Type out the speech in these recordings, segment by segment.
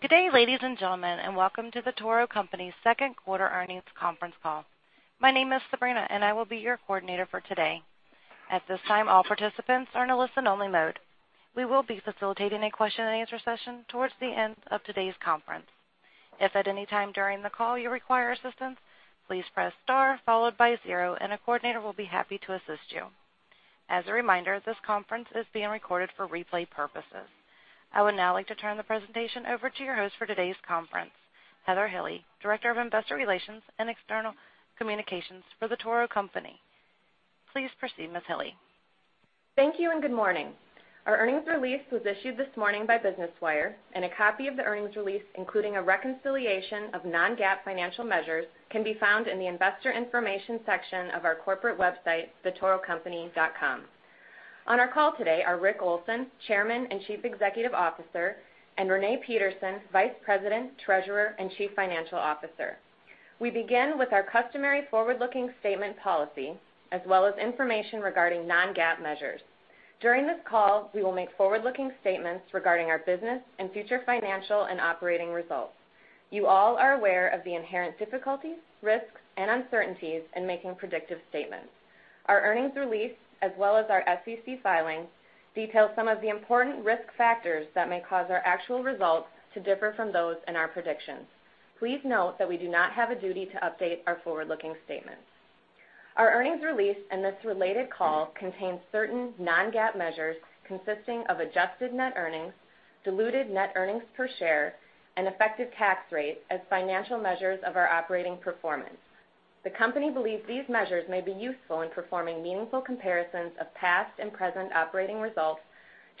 Good day, ladies and gentlemen, and welcome to The Toro Company's second quarter earnings conference call. My name is Sabrina. I will be your coordinator for today. At this time, all participants are in a listen only mode. We will be facilitating a question and answer session towards the end of today's conference. If at any time during the call you require assistance, please press star 0. A coordinator will be happy to assist you. As a reminder, this conference is being recorded for replay purposes. I would now like to turn the presentation over to your host for today's conference, Heather Hille, Director of Investor Relations and External Communications for The Toro Company. Please proceed, Ms. Hille. Thank you. Good morning. Our earnings release was issued this morning by Business Wire. A copy of the earnings release, including a reconciliation of non-GAAP financial measures, can be found in the investor information section of our corporate website, thetorocompany.com. On our call today are Rick Olson, Chairman and Chief Executive Officer, and Renee Peterson, Vice President, Treasurer, and Chief Financial Officer. We begin with our customary forward-looking statement policy, as well as information regarding non-GAAP measures. During this call, we will make forward-looking statements regarding our business and future financial and operating results. You all are aware of the inherent difficulties, risks, and uncertainties in making predictive statements. Our earnings release, as well as our SEC filings, detail some of the important risk factors that may cause our actual results to differ from those in our predictions. Please note that we do not have a duty to update our forward-looking statements. Our earnings release and this related call contains certain non-GAAP measures consisting of adjusted net earnings, diluted net earnings per share, and effective tax rate as financial measures of our operating performance. The company believes these measures may be useful in performing meaningful comparisons of past and present operating results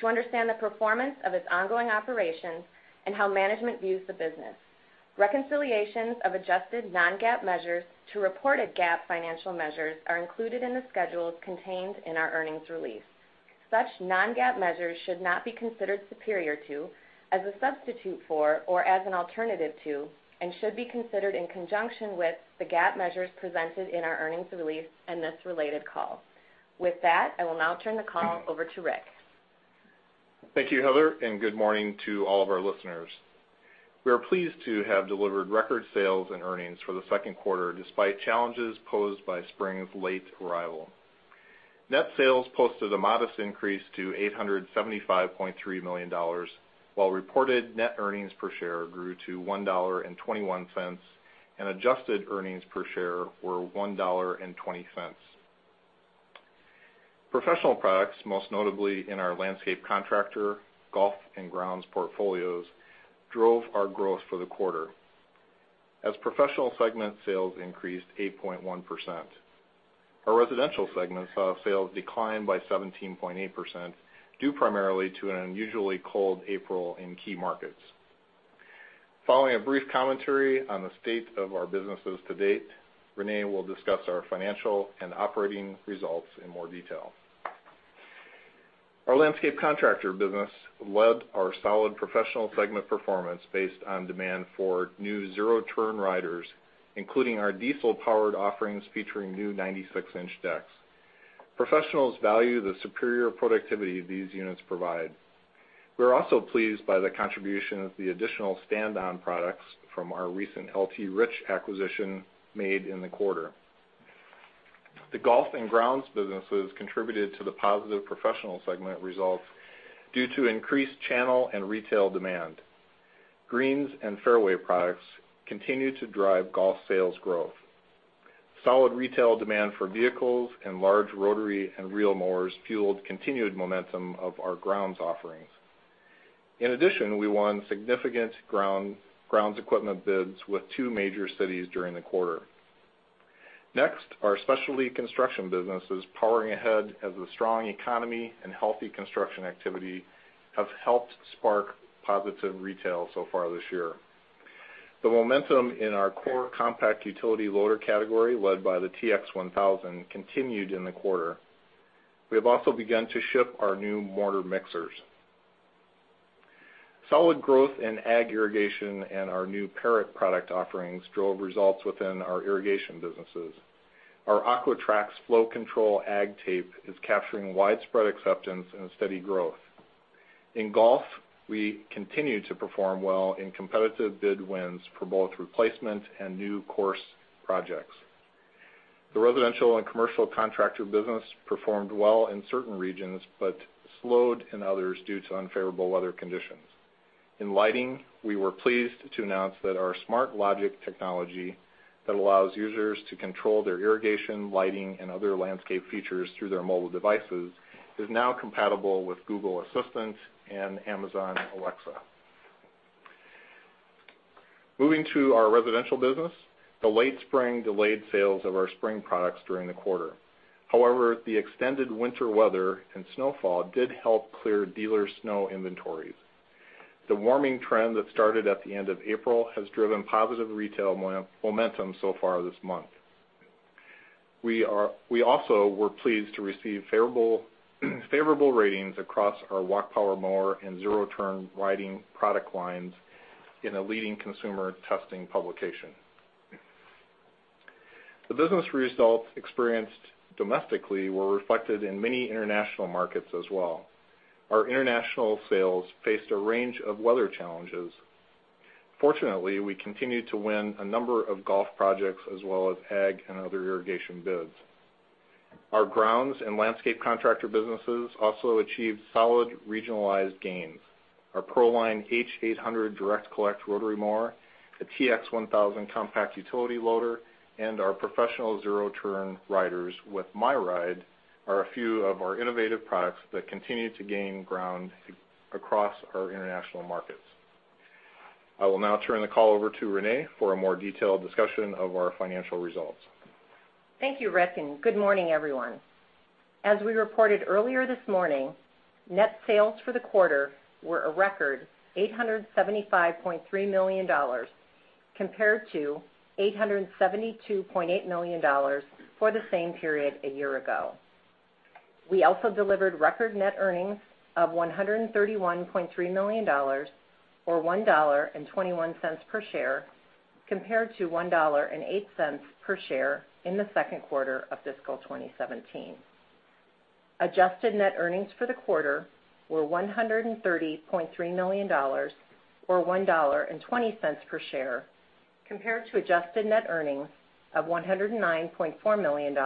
to understand the performance of its ongoing operations and how management views the business. Reconciliations of adjusted non-GAAP measures to reported GAAP financial measures are included in the schedules contained in our earnings release. Such non-GAAP measures should not be considered superior to, as a substitute for, or as an alternative to, and should be considered in conjunction with the GAAP measures presented in our earnings release and this related call. With that, I will now turn the call over to Rick. Thank you, Heather. Good morning to all of our listeners. We are pleased to have delivered record sales and earnings for the second quarter, despite challenges posed by spring's late arrival. Net sales posted a modest increase to $875.3 million, while reported net earnings per share grew to $1.21. Adjusted earnings per share were $1.20. Professional products, most notably in our landscape contractor, golf, and grounds portfolios, drove our growth for the quarter. Professional segment sales increased 8.1%. Our residential segment saw sales decline by 17.8%, due primarily to an unusually cold April in key markets. Following a brief commentary on the state of our businesses to date, Renee will discuss our financial and operating results in more detail. Our landscape contractor business led our solid professional segment performance based on demand for new zero-turn riders, including our diesel-powered offerings featuring new 96-inch decks. Professionals value the superior productivity these units provide. We are also pleased by the contribution of the additional stand-on products from our recent L.T. Rich acquisition made in the quarter. The golf and grounds businesses contributed to the positive professional segment results due to increased channel and retail demand. Greens and fairway products continue to drive golf sales growth. Solid retail demand for vehicles and large rotary and reel mowers fueled continued momentum of our grounds offerings. In addition, we won significant grounds equipment bids with two major cities during the quarter. Next, our specialty construction business is powering ahead as the strong economy and healthy construction activity have helped spark positive retail so far this year. The momentum in our core compact utility loader category, led by the TX 1000, continued in the quarter. We have also begun to ship our new mortar mixers. Solid growth in ag irrigation and our new Perrot product offerings drove results within our irrigation businesses. Our Aqua-Traxx flow control ag tape is capturing widespread acceptance and steady growth. In golf, we continue to perform well in competitive bid wins for both replacement and new course projects. The residential and commercial contractor business performed well in certain regions but slowed in others due to unfavorable weather conditions. In lighting, we were pleased to announce that our SMRT Logic technology that allows users to control their irrigation, lighting, and other landscape features through their mobile devices is now compatible with Google Assistant and Amazon Alexa. Moving to our residential business, the late spring delayed sales of our spring products during the quarter. The extended winter weather and snowfall did help clear dealer snow inventories. The warming trend that started at the end of April has driven positive retail momentum so far this month. We also were pleased to receive favorable ratings across our walk power mower and zero-turn riding product lines in a leading consumer testing publication. The business results experienced domestically were reflected in many international markets as well. Our international sales faced a range of weather challenges. Fortunately, we continued to win a number of golf projects as well as ag and other irrigation bids. Our grounds and landscape contractor businesses also achieved solid regionalized gains. Our ProLine H800 Direct Collect rotary mower, the TX 1000 Compact Utility Loader, and our professional zero-turn riders with MyRIDE are a few of our innovative products that continue to gain ground across our international markets. I will now turn the call over to Renee for a more detailed discussion of our financial results. Thank you, Rick, and good morning, everyone. We reported earlier this morning, net sales for the quarter were a record $875.3 million compared to $872.8 million for the same period a year ago. We also delivered record net earnings of $131.3 million, or $1.21 per share, compared to $1.08 per share in the second quarter of fiscal 2017. Adjusted net earnings for the quarter were $130.3 million, or $1.20 per share, compared to adjusted net earnings of $109.4 million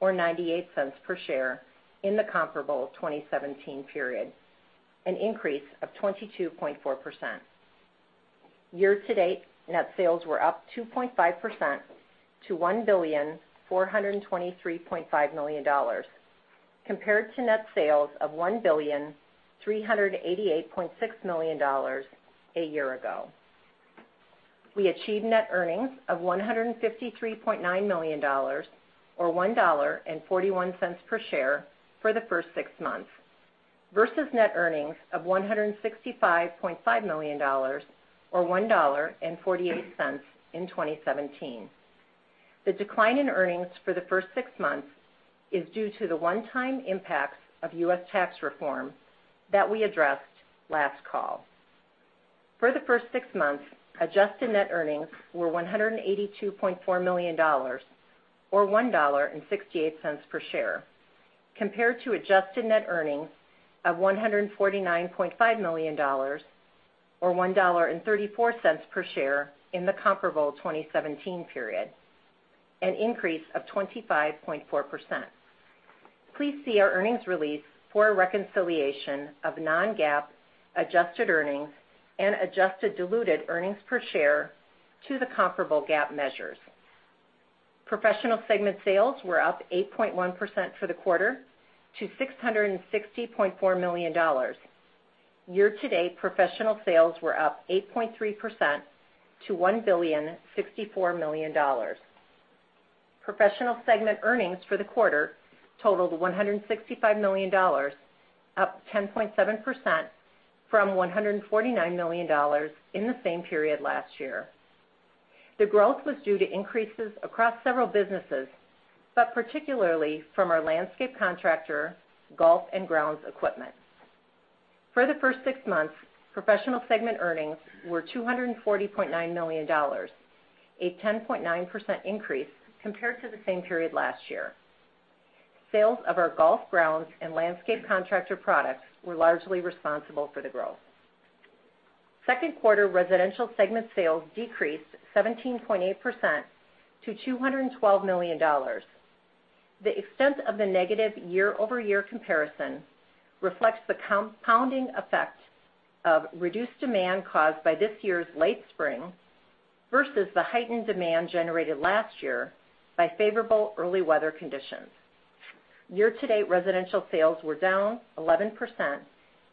or $0.98 per share in the comparable 2017 period, an increase of 22.4%. Year-to-date, net sales were up 2.5% to $1,423,500,000 compared to net sales of $1,388,600,000 a year ago. We achieved net earnings of $153.9 million, or $1.41 per share, for the first six months, versus net earnings of $165.5 million or $1.48 in 2017. The decline in earnings for the first six months is due to the one-time impacts of U.S. tax reform that we addressed last call. For the first six months, adjusted net earnings were $182.4 million, or $1.68 per share, compared to adjusted net earnings of $149.5 million or $1.34 per share in the comparable 2017 period, an increase of 25.4%. Please see our earnings release for a reconciliation of non-GAAP adjusted earnings and adjusted diluted earnings per share to the comparable GAAP measures. Professional segment sales were up 8.1% for the quarter to $660.4 million. Year-to-date, professional sales were up 8.3% to $1,064,000,000. Professional segment earnings for the quarter totaled $165 million, up 10.7% from $149 million in the same period last year. The growth was due to increases across several businesses, but particularly from our landscape contractor, golf, and grounds equipment. For the first six months, professional segment earnings were $240.9 million, a 10.9% increase compared to the same period last year. Sales of our golf grounds and landscape contractor products were largely responsible for the growth. Second quarter residential segment sales decreased 17.8% to $212 million. The extent of the negative year-over-year comparison reflects the compounding effect of reduced demand caused by this year's late spring versus the heightened demand generated last year by favorable early weather conditions. Year-to-date residential sales were down 11%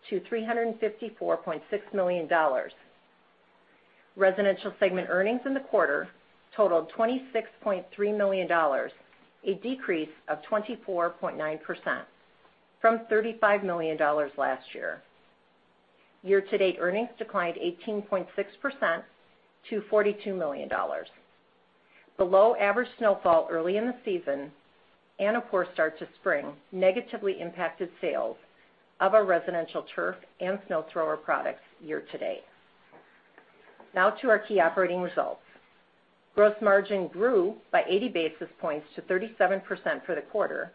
to $354.6 million. Residential segment earnings in the quarter totaled $26.3 million, a decrease of 24.9% from $35 million last year. Year-to-date earnings declined 18.6% to $42 million. Below-average snowfall early in the season and a poor start to spring negatively impacted sales of our residential turf and snow thrower products year-to-date. Now to our key operating results. Gross margin grew by 80 basis points to 37% for the quarter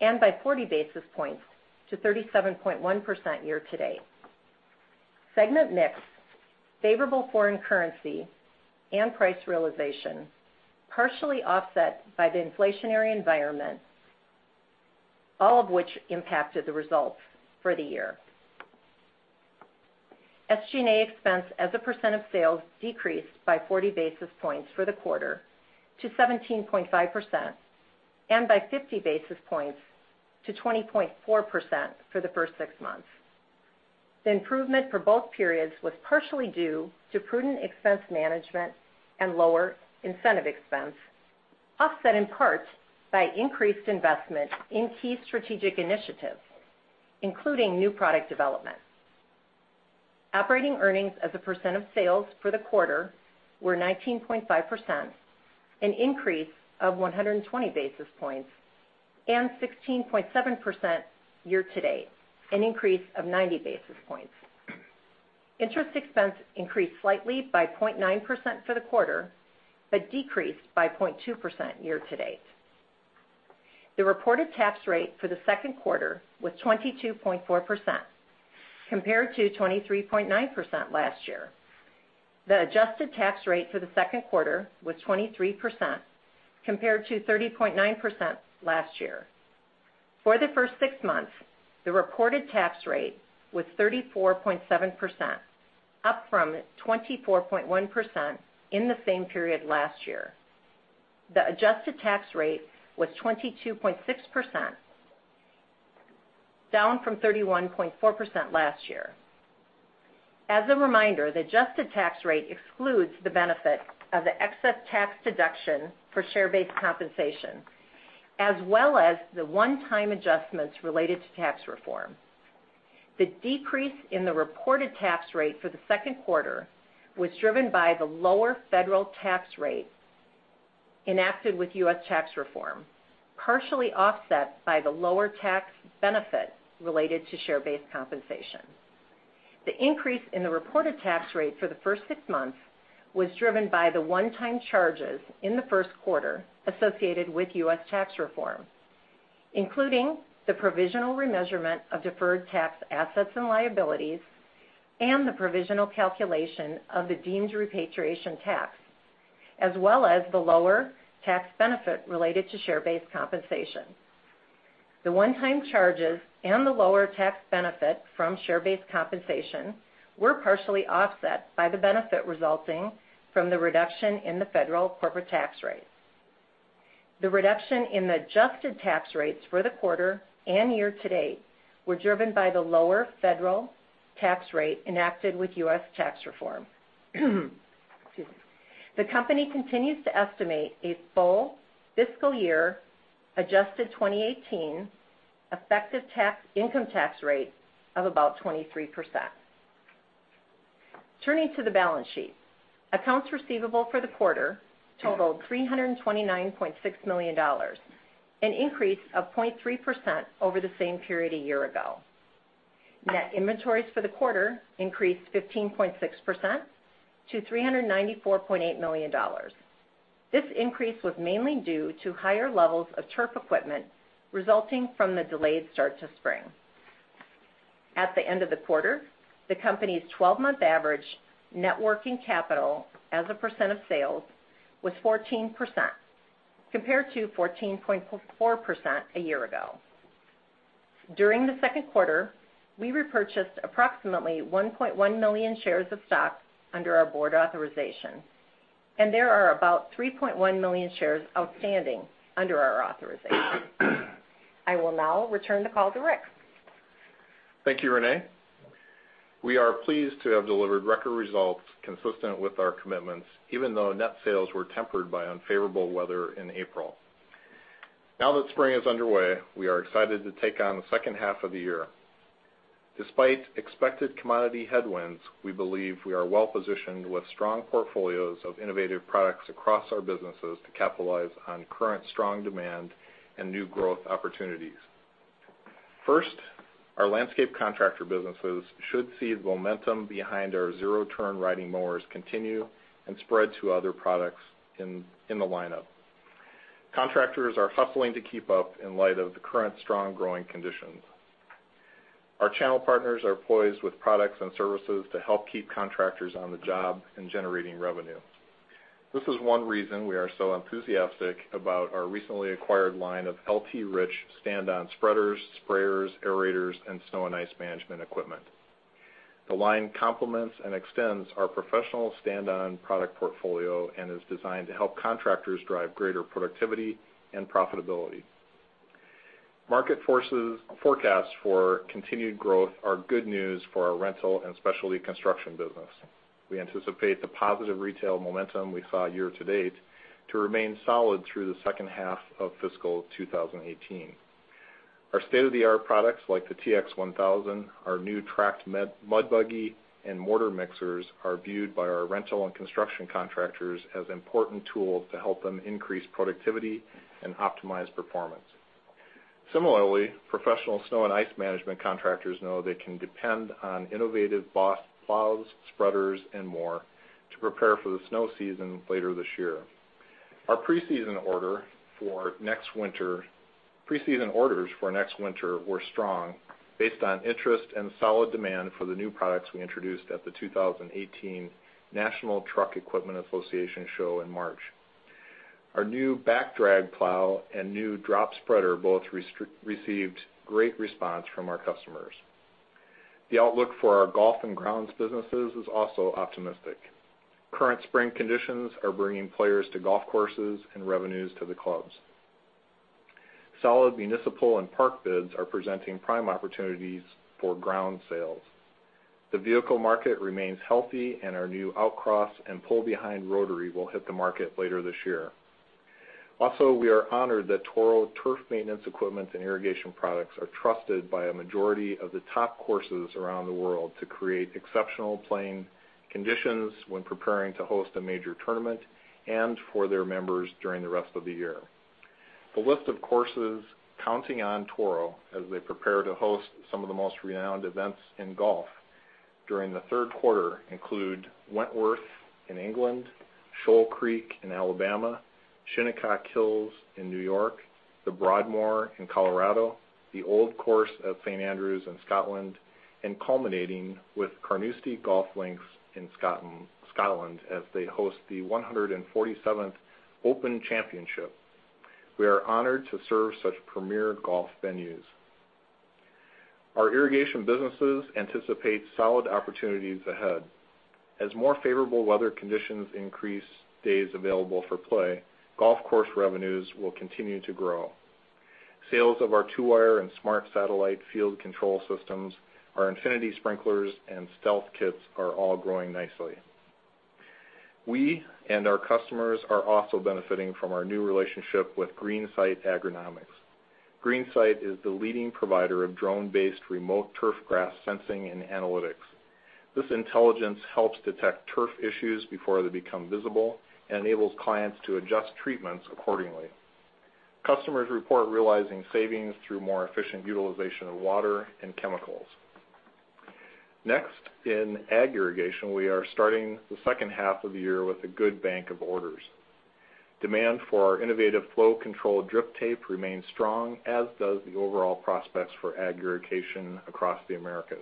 and by 40 basis points to 37.1% year-to-date. Segment mix, favorable foreign currency, and price realization partially offset by the inflationary environment, all of which impacted the results for the year. SG&A expense as a percent of sales decreased by 40 basis points for the quarter to 17.5% and by 50 basis points to 20.4% for the first six months. The improvement for both periods was partially due to prudent expense management and lower incentive expense, offset in part by increased investment in key strategic initiatives, including new product development. Operating earnings as a percent of sales for the quarter were 19.5%, an increase of 120 basis points, and 16.7% year-to-date, an increase of 90 basis points. Interest expense increased slightly by 0.9% for the quarter, but decreased by 0.2% year-to-date. The reported tax rate for the second quarter was 22.4%, compared to 23.9% last year. The adjusted tax rate for the second quarter was 23%, compared to 30.9% last year. For the first six months, the reported tax rate was 34.7%, up from 24.1% in the same period last year. The adjusted tax rate was 22.6%, down from 31.4% last year. As a reminder, the adjusted tax rate excludes the benefit of the excess tax deduction for share-based compensation, as well as the one-time adjustments related to tax reform. The decrease in the reported tax rate for the second quarter was driven by the lower federal tax rate enacted with U.S. tax reform, partially offset by the lower tax benefit related to share-based compensation. The increase in the reported tax rate for the first six months was driven by the one-time charges in the first quarter associated with U.S. tax reform, including the provisional remeasurement of deferred tax assets and liabilities, and the provisional calculation of the deemed repatriation tax, as well as the lower tax benefit related to share-based compensation. The one-time charges and the lower tax benefit from share-based compensation were partially offset by the benefit resulting from the reduction in the federal corporate tax rate. The reduction in the adjusted tax rates for the quarter and year-to-date were driven by the lower federal tax rate enacted with U.S. tax reform. Excuse me. The company continues to estimate a full fiscal year adjusted 2018 effective income tax rate of about 23%. Turning to the balance sheet. Accounts receivable for the quarter totaled $329.6 million, an increase of 0.3% over the same period a year ago. Net inventories for the quarter increased 15.6% to $394.8 million. This increase was mainly due to higher levels of turf equipment resulting from the delayed start to spring. At the end of the quarter, the company's 12-month average net working capital as a percent of sales was 14%, compared to 14.4% a year ago. During the second quarter, we repurchased approximately 1.1 million shares of stock under our board authorization, and there are about 3.1 million shares outstanding under our authorization. I will now return the call to Rick. Thank you, Renee. We are pleased to have delivered record results consistent with our commitments, even though net sales were tempered by unfavorable weather in April. Now that spring is underway, we are excited to take on the second half of the year. Despite expected commodity headwinds, we believe we are well-positioned with strong portfolios of innovative products across our businesses to capitalize on current strong demand and new growth opportunities. First, our landscape contractor businesses should see the momentum behind our zero-turn riding mowers continue and spread to other products in the lineup. Contractors are hustling to keep up in light of the current strong growing conditions. Our channel partners are poised with products and services to help keep contractors on the job and generating revenue. This is one reason we are so enthusiastic about our recently acquired line of L.T. Rich stand-on spreaders, sprayers, aerators, and snow and ice management equipment. The line complements and extends our professional stand-on product portfolio and is designed to help contractors drive greater productivity and profitability. Market forces forecasts for continued growth are good news for our rental and specialty construction business. We anticipate the positive retail momentum we saw year-to-date to remain solid through the second half of fiscal 2018. Our state-of-the-art products like the TX 1000, our new tracked Mud Buggy, and mortar mixers are viewed by our rental and construction contractors as important tools to help them increase productivity and optimize performance. Similarly, professional snow and ice management contractors know they can depend on innovative plows, spreaders, and more to prepare for the snow season later this year. Our pre-season orders for next winter were strong based on interest and solid demand for the new products we introduced at the 2018 National Truck Equipment Association show March. Our new Back Drag Plow and new drop spreader both received great response from our customers. The outlook for our golf and grounds businesses is also optimistic. Current spring conditions are bringing players to golf courses and revenues to the clubs. Solid municipal and park bids are presenting prime opportunities for ground sales. The vehicle market remains healthy, and our new Outcross and pull-behind rotary will hit the market later this year. Also, we are honored that Toro turf maintenance equipment and irrigation products are trusted by a majority of the top courses around the world to create exceptional playing conditions when preparing to host a major tournament and for their members during the rest of the year. The list of courses counting on Toro as they prepare to host some of the most renowned events in golf during the third quarter include Wentworth in England, Shoal Creek in Alabama, Shinnecock Hills in New York, The Broadmoor in Colorado, The Old Course at St Andrews in Scotland, and culminating with Carnoustie Golf Links in Scotland as they host the 147th Open Championship. We are honored to serve such premier golf venues. Our irrigation businesses anticipate solid opportunities ahead. As more favorable weather conditions increase days available for play, golf course revenues will continue to grow. Sales of our 2Wire and Smart Satellite field control systems, our INFINITY sprinklers, and Stealth kits are all growing nicely. We and our customers are also benefiting from our new relationship with GreenSight Agronomics. GreenSight is the leading provider of drone-based remote turf grass sensing and analytics. This intelligence helps detect turf issues before they become visible and enables clients to adjust treatments accordingly. Customers report realizing savings through more efficient utilization of water and chemicals. Next, in ag irrigation, we are starting the second half of the year with a good bank of orders. Demand for our innovative flow control drip tape remains strong, as does the overall prospects for ag irrigation across the Americas.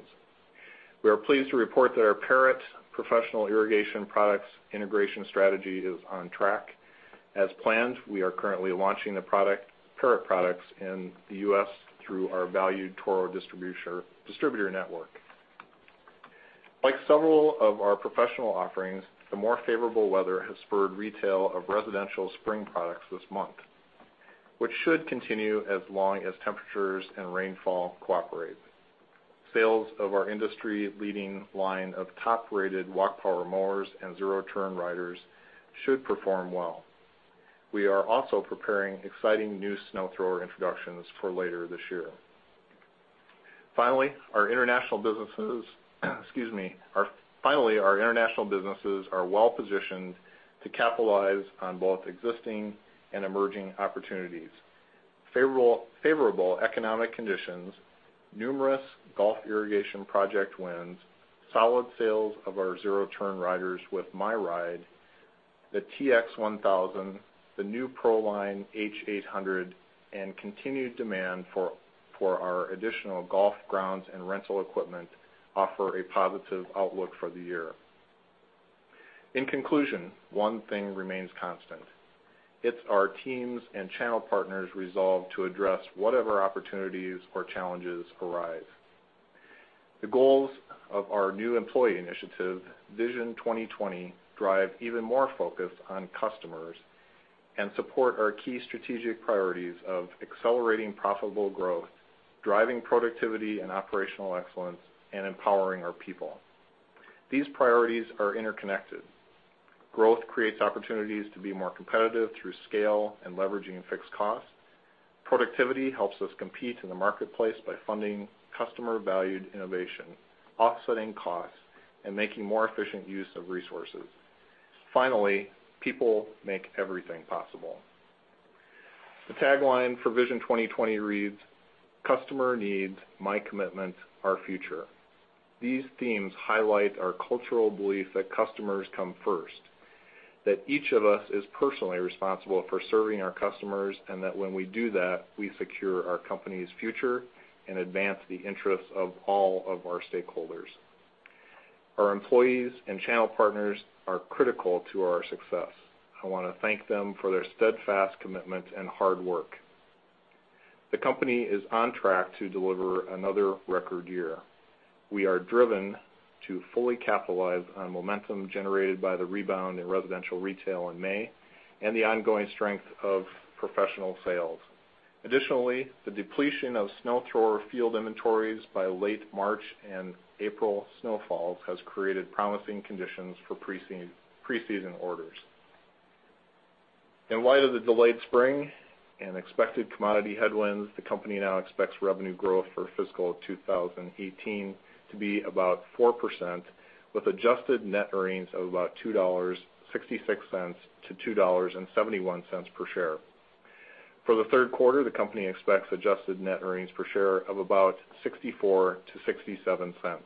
We are pleased to report that our Perrot Professional Irrigation products integration strategy is on track. As planned, we are currently launching the Perrot products in the U.S. through our valued Toro distributor network. Like several of our professional offerings, the more favorable weather has spurred retail of residential spring products this month, which should continue as long as temperatures and rainfall cooperate. Sales of our industry-leading line of top-rated walk power mowers and zero turn riders should perform well. We are also preparing exciting new snow thrower introductions for later this year. Finally, our international businesses are well-positioned to capitalize on both existing and emerging opportunities. Favorable economic conditions, numerous golf irrigation project wins, solid sales of our zero turn riders with MyRIDE, the TX 1000, the new ProLine H800, and continued demand for our additional golf grounds and rental equipment offer a positive outlook for the year. In conclusion, one thing remains constant: It's our teams' and channel partners' resolve to address whatever opportunities or challenges arise. The goals of our new employee initiative, Vision 2020, drive even more focus on customers and support our key strategic priorities of accelerating profitable growth, driving productivity and operational excellence, and empowering our people. These priorities are interconnected. Growth creates opportunities to be more competitive through scale and leveraging fixed costs. Productivity helps us compete in the marketplace by funding customer-valued innovation, offsetting costs, and making more efficient use of resources. Finally, people make everything possible. The tagline for Vision 2020 reads, "Customer needs. My commitment. Our future." These themes highlight our cultural belief that customers come first, that each of us is personally responsible for serving our customers, and that when we do that, we secure our company's future and advance the interests of all of our stakeholders. Our employees and channel partners are critical to our success. I want to thank them for their steadfast commitment and hard work. The company is on track to deliver another record year. We are driven to fully capitalize on momentum generated by the rebound in residential retail in May and the ongoing strength of professional sales. Additionally, the depletion of snow thrower field inventories by late March and April snowfalls has created promising conditions for pre-season orders. In light of the delayed spring and expected commodity headwinds, the company now expects revenue growth for fiscal 2018 to be about 4%, with adjusted net earnings of about $2.66-$2.71 per share. For the third quarter, the company expects adjusted net earnings per share of about $0.64-$0.67.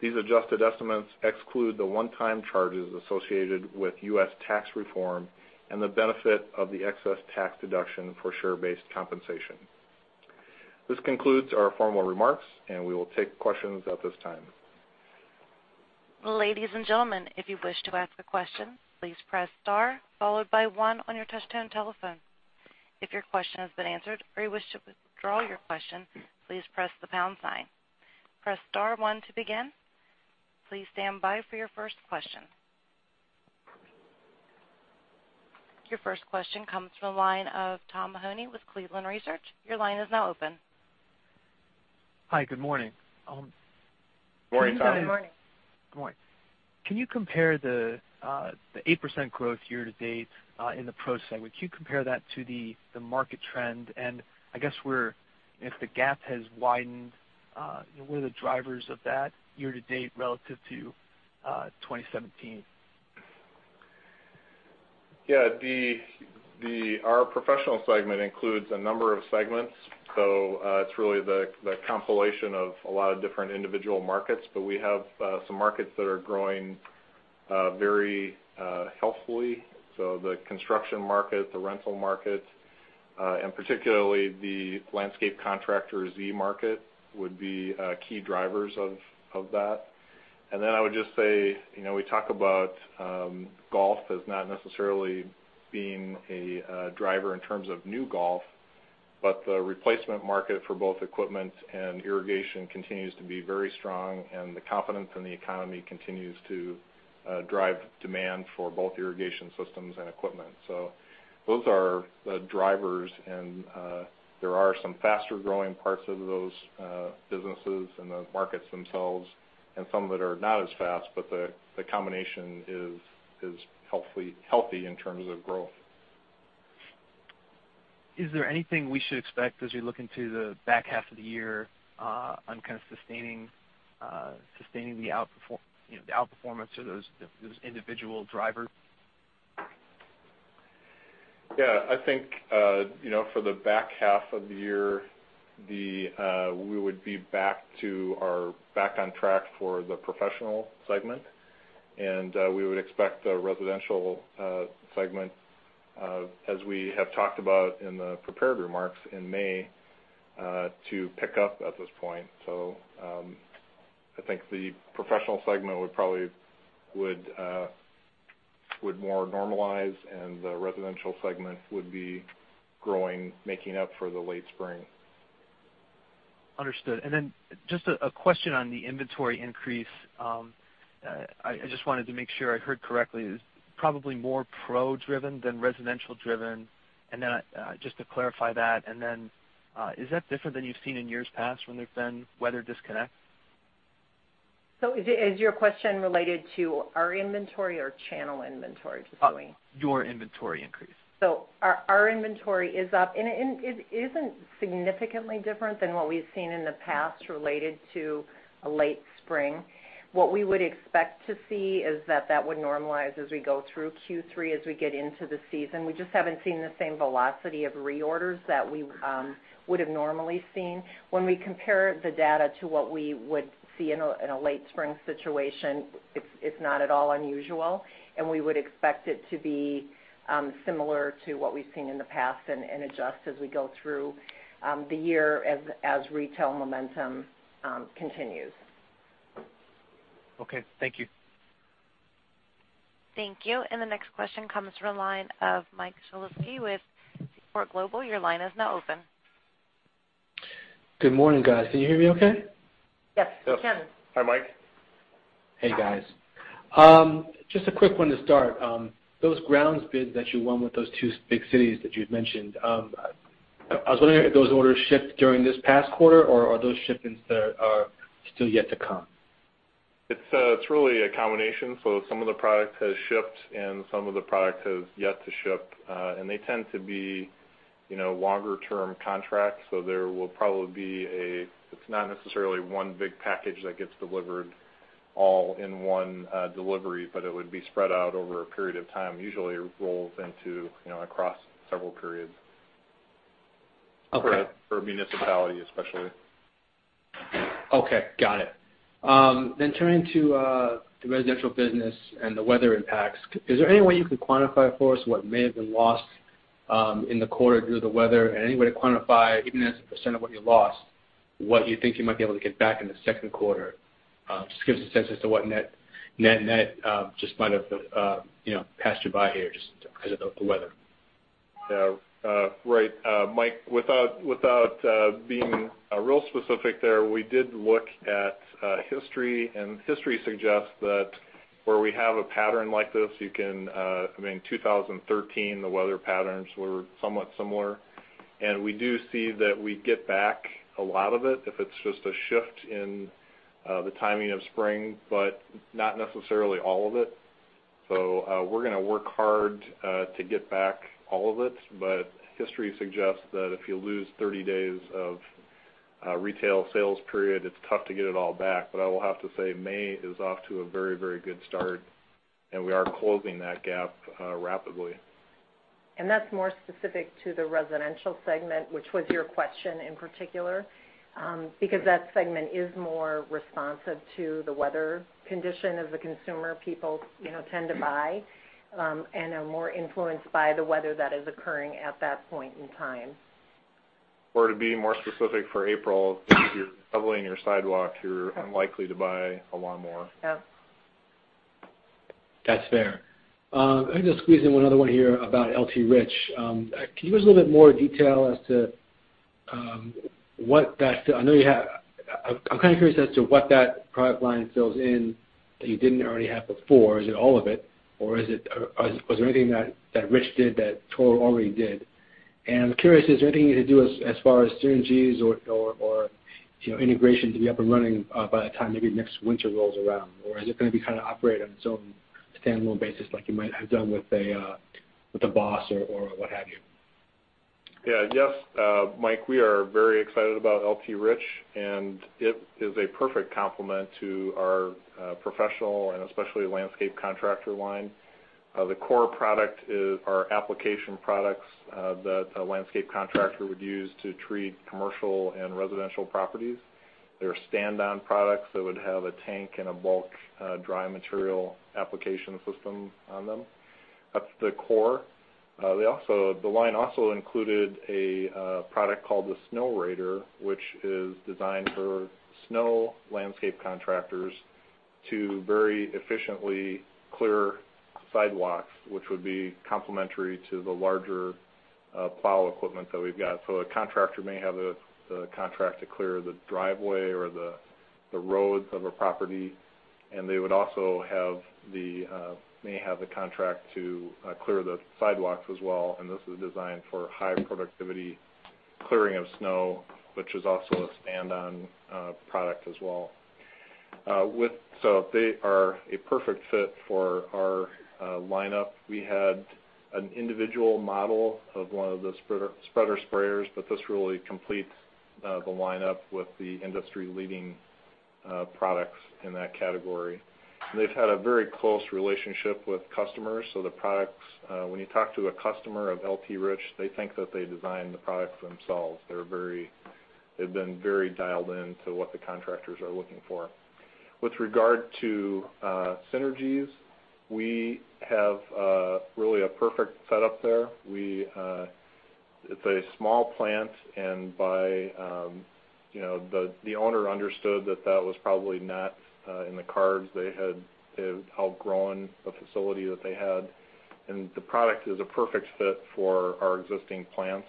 These adjusted estimates exclude the one-time charges associated with U.S. tax reform and the benefit of the excess tax deduction for share-based compensation. This concludes our formal remarks, we will take questions at this time. Ladies and gentlemen, if you wish to ask a question, please press star followed by one on your touchtone telephone. If your question has been answered or you wish to withdraw your question, please press the pound sign. Press star one to begin. Please stand by for your first question. Your first question comes from the line of Tom Mahoney with Cleveland Research. Your line is now open. Hi, good morning. Morning, Tom. Good morning. Good morning. Can you compare the 8% growth year-to-date in the pro segment? Can you compare that to the market trend? I guess if the gap has widened, what are the drivers of that year-to-date relative to 2017? Yeah. Our professional segment includes a number of segments, it's really the compilation of a lot of different individual markets, we have some markets that are growing very healthily. The construction market, the rental market, and particularly the landscape contractor market would be key drivers of that. Then I would just say, we talk about golf as not necessarily being a driver in terms of new golf, the replacement market for both equipment and irrigation continues to be very strong, the confidence in the economy continues to drive demand for both irrigation systems and equipment. Those are the drivers, there are some faster-growing parts of those businesses and the markets themselves and some that are not as fast, the combination is healthy in terms of growth. Is there anything we should expect as we look into the back half of the year on kind of sustaining the outperformance of those individual drivers? Yeah, I think, for the back half of the year, we would be back on track for the Professional Segment, and we would expect the Residential Segment, as we have talked about in the prepared remarks in May, to pick up at this point. I think the Professional Segment would more normalize, and the Residential Segment would be growing, making up for the late spring. Understood. Just a question on the inventory increase. I just wanted to make sure I heard correctly. It was probably more pro-driven than residential-driven, and then just to clarify that, is that different than you've seen in years past when there's been weather disconnects? Is your question related to our inventory or channel inventory, Joey? Your inventory increase. Our inventory is up, and it isn't significantly different than what we've seen in the past related to a late spring. What we would expect to see is that that would normalize as we go through Q3, as we get into the season. We just haven't seen the same velocity of reorders that we would've normally seen. When we compare the data to what we would see in a late spring situation, it's not at all unusual, and we would expect it to be similar to what we've seen in the past and adjust as we go through the year as retail momentum continues. Okay, thank you. Thank you. The next question comes from the line of Michael Shlisky with Seaport Global. Your line is now open. Good morning, guys. Can you hear me okay? Yes, we can. Yes. Hi, Mike. Hey, guys. Just a quick one to start. Those grounds bids that you won with those two big cities that you'd mentioned, I was wondering if those orders shipped during this past quarter or are those shipments that are still yet to come? It's really a combination. Some of the product has shipped and some of the product has yet to ship. They tend to be longer-term contracts, so there will probably be it's not necessarily one big package that gets delivered all in one delivery, but it would be spread out over a period of time, usually rolls into across several periods. Okay. For a municipality, especially. Okay, got it. Turning to the residential business and the weather impacts, is there any way you could quantify for us what may have been lost in the quarter due to the weather and any way to quantify, even as a percent of what you lost, what you think you might be able to get back in the second quarter? Just to give us a sense as to what net net just might have passed you by here just because of the weather. Yeah. Right. Mike, without being real specific there, we did look at history, and history suggests that where we have a pattern like this, you can I mean, 2013, the weather patterns were somewhat similar. We do see that we get back a lot of it if it's just a shift in the timing of spring, but not necessarily all of it. We're gonna work hard to get back all of it, but history suggests that if you lose 30 days of a retail sales period, it's tough to get it all back. I will have to say, May is off to a very good start, and we are closing that gap rapidly. That's more specific to the residential segment, which was your question in particular, because that segment is more responsive to the weather condition of the consumer. People tend to buy and are more influenced by the weather that is occurring at that point in time. To be more specific for April, if you're shoveling your sidewalk, you're unlikely to buy a lawnmower. Yep. That's fair. Let me just squeeze in one other one here about L.T. Rich. Can you give us a little bit more detail as to what that product line fills in that you didn't already have before. Is it all of it, or was there anything that Rich did that Toro already did? I'm curious, is there anything you could do as far as synergies or integration to be up and running by the time maybe next winter rolls around? Or is it going to be kind of operate on its own standalone basis like you might have done with the BOSS or what have you? Yes, Mike, we are very excited about L.T. Rich, it is a perfect complement to our professional and especially landscape contractor line. The core product is our application products that a landscape contractor would use to treat commercial and residential properties. They are stand-on products that would have a tank and a bulk dry material application system on them. That's the core. The line also included a product called the Snow Raider, which is designed for snow landscape contractors to very efficiently clear sidewalks, which would be complementary to the larger plow equipment that we've got. A contractor may have a contract to clear the driveway or the roads of a property, and they would also may have the contract to clear the sidewalks as well. This is designed for high productivity clearing of snow, which is also a stand-on product as well. They are a perfect fit for our lineup. We had an individual model of one of the spreader sprayers, but this really completes the lineup with the industry-leading products in that category. They've had a very close relationship with customers. The products, when you talk to a customer of L.T. Rich, they think that they design the product themselves. They've been very dialed in to what the contractors are looking for. With regard to synergies, we have really a perfect setup there. It's a small plant, and the owner understood that that was probably not in the cards. They have outgrown the facility that they had, and the product is a perfect fit for our existing plants.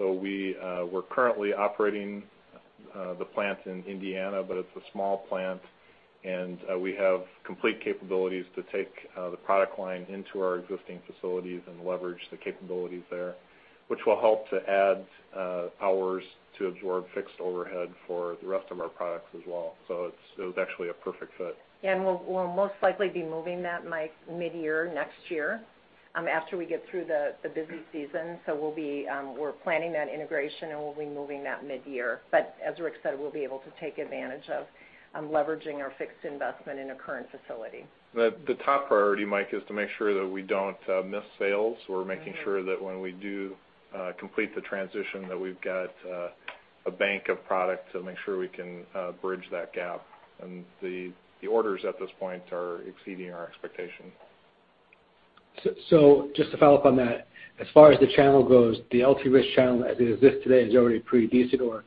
We're currently operating the plant in Indiana, but it's a small plant, and we have complete capabilities to take the product line into our existing facilities and leverage the capabilities there, which will help to add hours to absorb fixed overhead for the rest of our products as well. It was actually a perfect fit. We'll most likely be moving that, Mike, mid-year next year after we get through the busy season. We're planning that integration, and we'll be moving that mid-year. As Rick said, we'll be able to take advantage of leveraging our fixed investment in a current facility. The top priority, Mike, is to make sure that we don't miss sales. We're making sure that when we do complete the transition, that we've got a bank of product to make sure we can bridge that gap. The orders at this point are exceeding our expectation. Just to follow up on that, as far as the channel goes, the L.T. Rich channel as it exists today is already pretty decent, or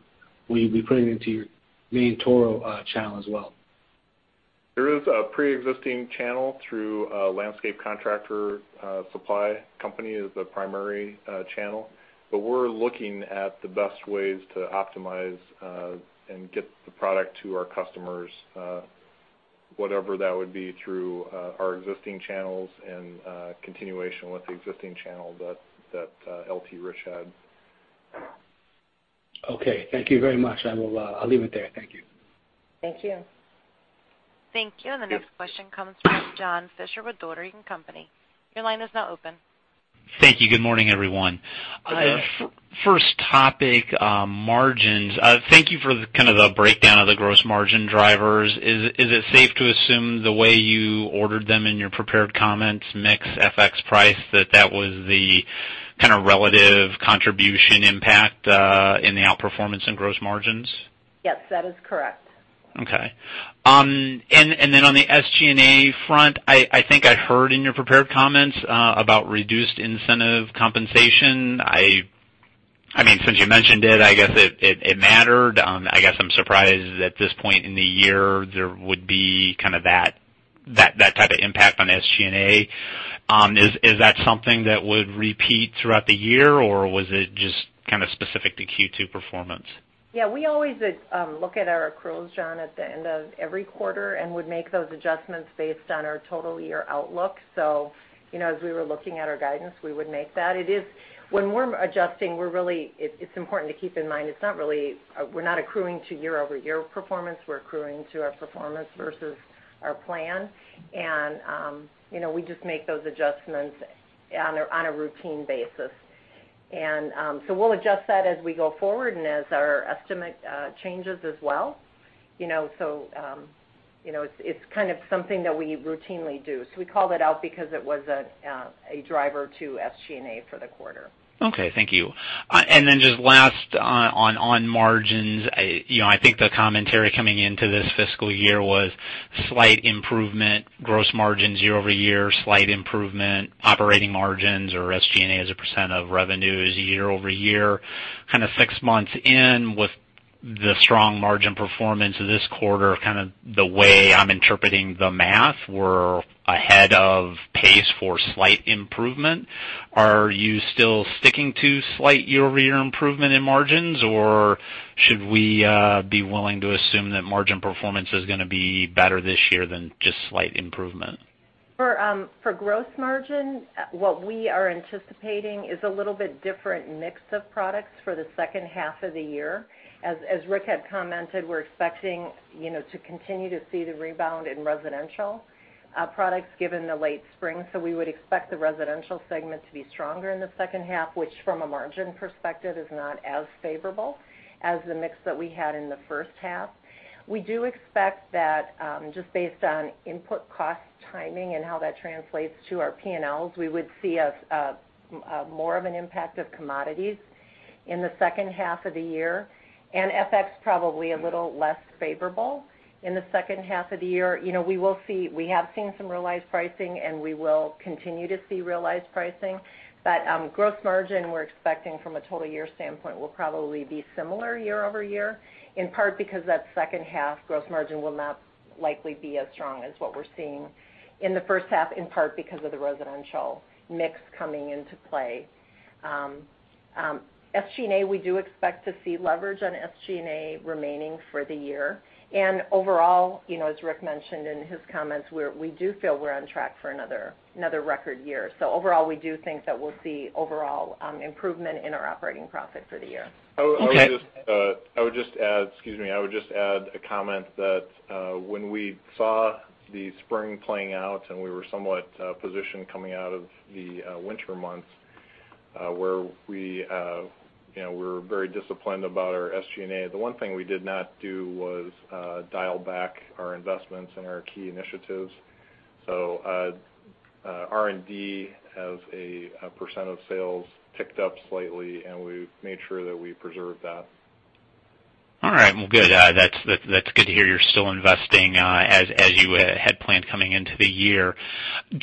will you be putting it into your main Toro channel as well? There is a preexisting channel through a landscape contractor supply company as the primary channel. We're looking at the best ways to optimize and get the product to our customers, whatever that would be through our existing channels and continuation with the existing channel that L.T. Rich had. Okay. Thank you very much. I'll leave it there. Thank you. Thank you. Thank you. The next question comes from John Fisher with Dougherty & Company. Your line is now open. Thank you. Good morning, everyone. Good morning. First topic, margins. Thank you for kind of the breakdown of the gross margin drivers. Is it safe to assume the way you ordered them in your prepared comments, mix, FX price, that was the kind of relative contribution impact in the outperformance in gross margins? Yes, that is correct. Okay. On the SG&A front, I think I heard in your prepared comments about reduced incentive compensation. Since you mentioned it, I guess it mattered. I guess I'm surprised that at this point in the year, there would be kind of that type of impact on SG&A. Is that something that would repeat throughout the year, or was it just kind of specific to Q2 performance? Yeah, we always look at our accruals, John, at the end of every quarter and would make those adjustments based on our total year outlook. As we were looking at our guidance, we would make that. When we're adjusting, it's important to keep in mind we're not accruing to year-over-year performance, we're accruing to our performance versus our plan. We just make those adjustments on a routine basis. We'll adjust that as we go forward and as our estimate changes as well. It's kind of something that we routinely do. We called it out because it was a driver to SG&A for the quarter. Okay. Thank you. Just last on margins, I think the commentary coming into this fiscal year was slight improvement, gross margins year-over-year, slight improvement, operating margins or SG&A as a % of revenues year-over-year. Kind of six months in with the strong margin performance this quarter, kind of the way I'm interpreting the math, we're ahead of pace for slight improvement. Are you still sticking to slight year-over-year improvement in margins, or should we be willing to assume that margin performance is going to be better this year than just slight improvement? For gross margin, what we are anticipating is a little bit different mix of products for the second half of the year. As Rick had commented, we're expecting to continue to see the rebound in residential products given the late spring. We would expect the residential segment to be stronger in the second half, which from a margin perspective is not as favorable as the mix that we had in the first half. We do expect that, just based on input cost timing and how that translates to our P&Ls, we would see more of an impact of commodities in the second half of the year. FX probably a little less favorable in the second half of the year. We have seen some realized pricing. We will continue to see realized pricing. Gross margin, we're expecting from a total year standpoint, will probably be similar year-over-year, in part because that second half gross margin will not likely be as strong as what we're seeing in the first half, in part because of the residential mix coming into play. SG&A, we do expect to see leverage on SG&A remaining for the year. Overall, as Rick mentioned in his comments, we do feel we're on track for another record year. Overall, we do think that we'll see overall improvement in our operating profit for the year. I would just add a comment that when we saw the spring playing out and we were somewhat positioned coming out of the winter months, where we were very disciplined about our SG&A, the one thing we did not do was dial back our investments and our key initiatives. R&D as a % of sales ticked up slightly. We've made sure that we preserve that. All right. Well, good. That's good to hear you're still investing as you had planned coming into the year.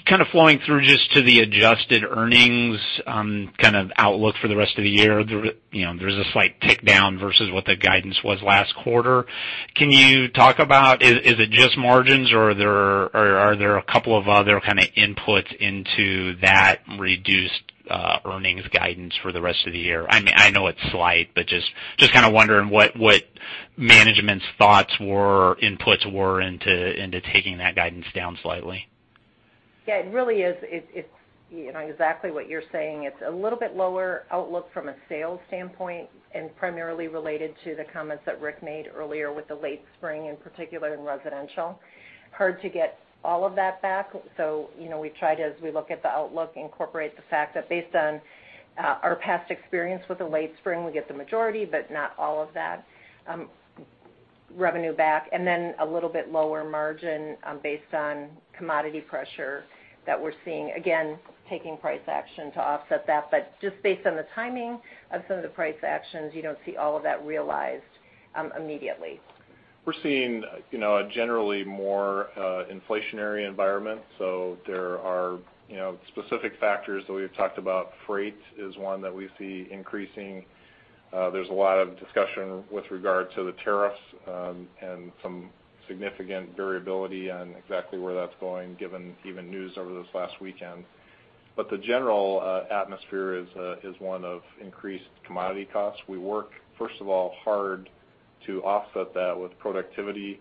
Kind of flowing through just to the adjusted earnings kind of outlook for the rest of the year, there's a slight tick down versus what the guidance was last quarter. Can you talk about, is it just margins or are there a couple of other kind of inputs into that reduced earnings guidance for the rest of the year? I know it's slight, but just kind of wondering what management's thoughts were, inputs were into taking that guidance down slightly. Yeah, it really is exactly what you're saying. It's a little bit lower outlook from a sales standpoint primarily related to the comments that Rick made earlier with the late spring, in particular in residential. Hard to get all of that back, so we tried, as we look at the outlook, incorporate the fact that based on our past experience with a late spring, we get the majority, but not all of that revenue back. A little bit lower margin based on commodity pressure that we're seeing. Again, taking price action to offset that. Just based on the timing of some of the price actions, you don't see all of that realized immediately. We're seeing a generally more inflationary environment. There are specific factors that we've talked about. Freight is one that we see increasing. There's a lot of discussion with regard to the tariffs, some significant variability on exactly where that's going, given even news over this last weekend. The general atmosphere is one of increased commodity costs. We work, first of all, hard to offset that with productivity.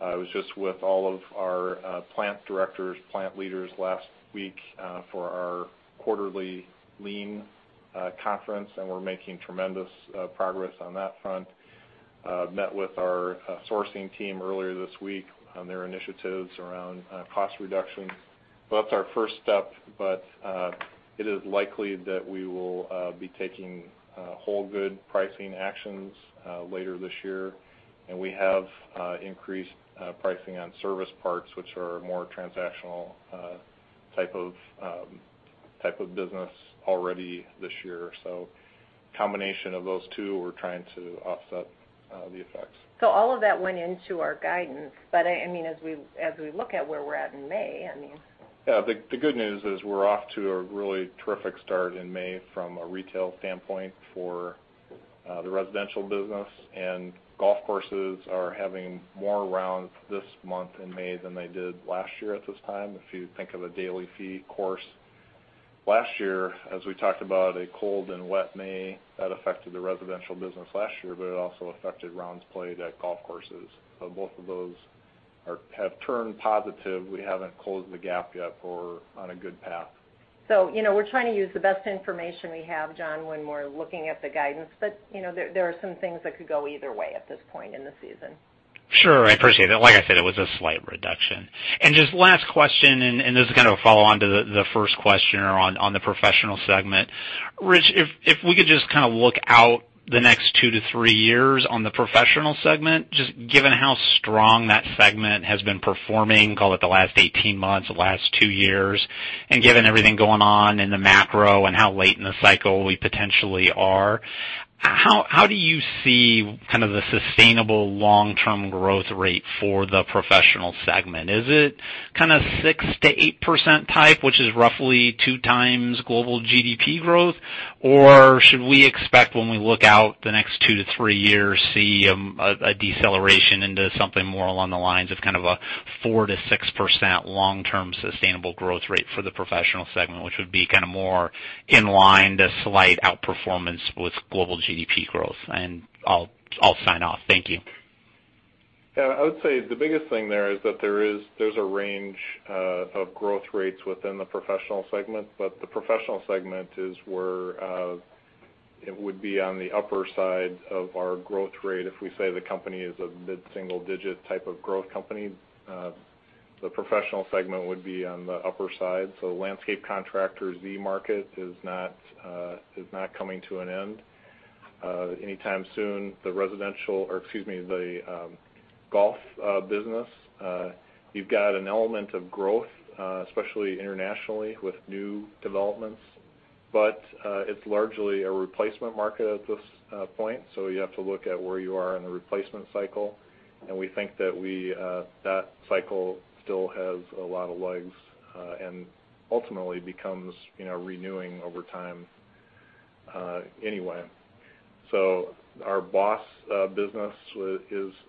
I was just with all of our plant directors, plant leaders last week for our quarterly lean conference, we're making tremendous progress on that front. Met with our sourcing team earlier this week on their initiatives around cost reduction. That's our first step, it is likely that we will be taking whole good pricing actions later this year. We have increased pricing on service parts, which are a more transactional type of business already this year. Combination of those two, we're trying to offset the effects. All of that went into our guidance, as we look at where we're at in May. The good news is we're off to a really terrific start in May from a retail standpoint for the residential business, and golf courses are having more rounds this month in May than they did last year at this time, if you think of a daily fee course. Last year, as we talked about a cold and wet May, that affected the residential business last year, but it also affected rounds played at golf courses. Both of those have turned positive. We haven't closed the gap yet, but we're on a good path. We're trying to use the best information we have, John, when we're looking at the guidance. There are some things that could go either way at this point in the season. Sure. I appreciate it. Like I said, it was a slight reduction. Just last question, and this is kind of a follow-on to the first question or on the professional segment. Rich, if we could just kind of look out the next two to three years on the professional segment, just given how strong that segment has been performing, call it the last 18 months, the last two years, and given everything going on in the macro and how late in the cycle we potentially are, how do you see kind of the sustainable long-term growth rate for the professional segment? Is it kind of 6%-8% type, which is roughly two times global GDP growth? Should we expect when we look out the next two to three years, see a deceleration into something more along the lines of kind of a 4%-6% long-term sustainable growth rate for the professional segment, which would be kind of more in line to slight outperformance with global GDP growth? I'll sign off. Thank you. I would say the biggest thing there is that there's a range of growth rates within the Professional segment, the Professional segment is where it would be on the upper side of our growth rate. If we say the company is a mid-single-digit type of growth company, the Professional segment would be on the upper side. Landscape Contractor Exmark market is not coming to an end anytime soon. The golf business, you've got an element of growth, especially internationally with new developments, it's largely a replacement market at this point, you have to look at where you are in the replacement cycle. We think that cycle still has a lot of legs, and ultimately becomes renewing over time anyway. Our BOSS business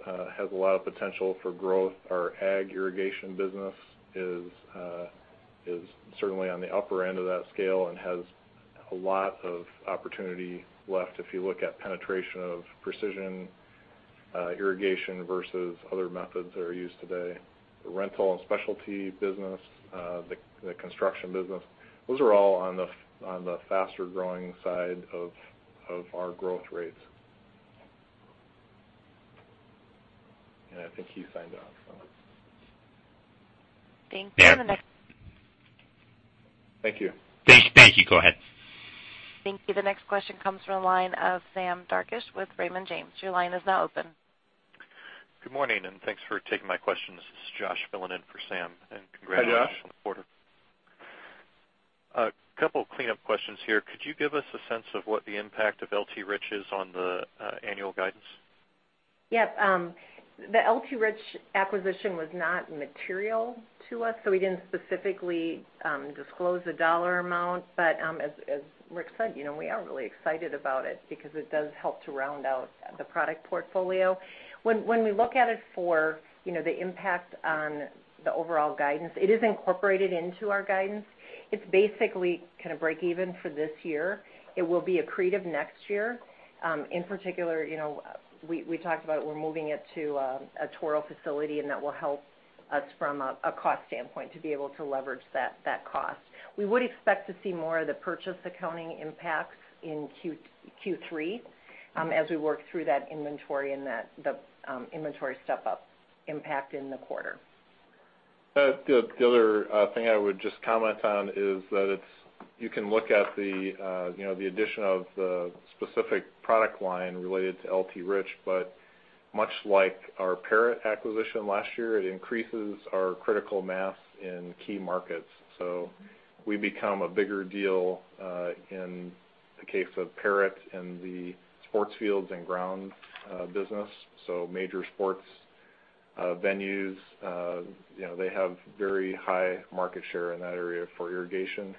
has a lot of potential for growth. Our ag irrigation business is certainly on the upper end of that scale and has a lot of opportunity left, if you look at penetration of precision irrigation versus other methods that are used today. The rental and specialty business, the construction business, those are all on the faster-growing side of our growth rates. I think he signed off. Thank you. The next- Thank you. Thank you. Go ahead. Thank you. The next question comes from the line of Sam Darkatsh with Raymond James. Your line is now open. Good morning, thanks for taking my question. This is Josh filling in for Sam. Hi, Josh. Congratulations on the quarter. A couple clean-up questions here. Could you give us a sense of what the impact of L.T. Rich Products is on the annual guidance? Yes. The L.T. Rich Products acquisition was not material to us, so we didn't specifically disclose a $ amount. As Rick said, we are really excited about it because it does help to round out the product portfolio. When we look at it for the impact on the overall guidance, it is incorporated into our guidance. It's basically kind of breakeven for this year. It will be accretive next year. In particular, we talked about we're moving it to a Toro facility, and that will help us from a cost standpoint to be able to leverage that cost. We would expect to see more of the purchase accounting impacts in Q3 as we work through that inventory and the inventory step-up impact in the quarter. The other thing I would just comment on is that you can look at the addition of the specific product line related to L.T. Rich Products. Much like our Perrot acquisition last year, it increases our critical mass in key markets. We become a bigger deal, in the case of Perrot, in the sports fields and ground business. Major sports venues, they have very high market share in that area for irrigation.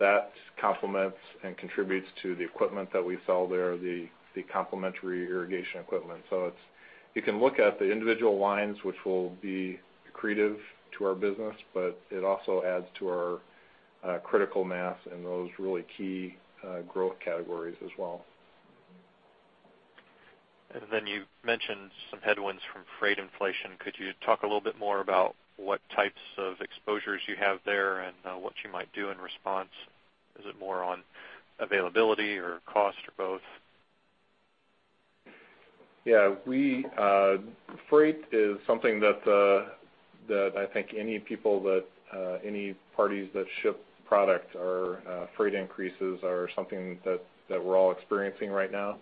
That complements and contributes to the equipment that we sell there, the complementary irrigation equipment. You can look at the individual lines, which will be accretive to our business, but it also adds to our critical mass in those really key growth categories as well. You mentioned some headwinds from freight inflation. Could you talk a little bit more about what types of exposures you have there and what you might do in response? Is it more on availability or cost or both? Yeah. Freight is something that I think any parties that ship product, freight increases are something that we're all experiencing right now.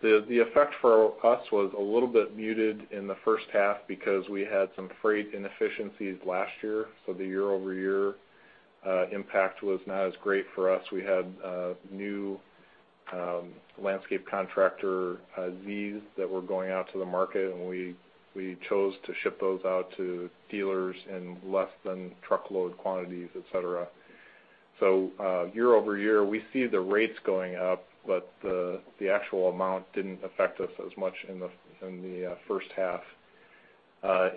The effect for us was a little bit muted in the first half because we had some freight inefficiencies last year, so the year-over-year impact was not as great for us. We had new Landscape Contractor Zs that were going out to the market, and we chose to ship those out to dealers in less than truckload quantities, et cetera. Year-over-year, we see the rates going up, but the actual amount didn't affect us as much in the first half.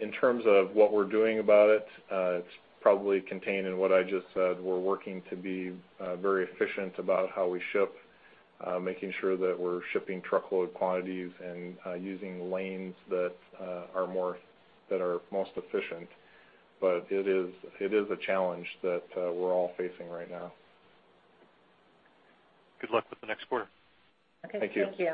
In terms of what we're doing about it's probably contained in what I just said. We're working to be very efficient about how we ship, making sure that we're shipping truckload quantities and using lanes that are most efficient. It is a challenge that we're all facing right now. Good luck with the next quarter. Thank you. Okay. Thank you.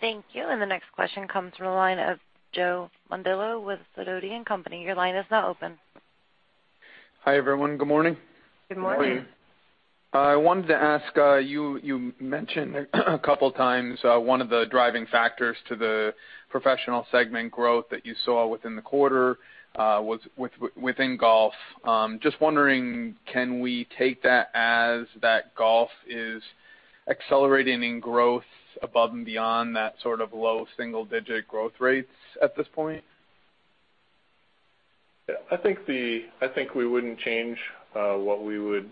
Thank you. The next question comes from the line of Joseph Mondillo with Sidoti & Company. Your line is now open. Hi, everyone. Good morning. Good morning. Good morning. I wanted to ask, you mentioned a couple times, one of the driving factors to the professional segment growth that you saw within the quarter was within golf. Just wondering, can we take that as that golf is accelerating in growth above and beyond that sort of low single-digit growth rates at this point? Yeah. I think we wouldn't change what we would